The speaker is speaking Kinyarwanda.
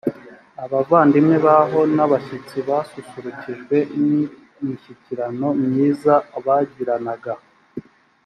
abavandimwe baho n abashyitsi basusurukijwe n imishyikirano myiza bagiranaga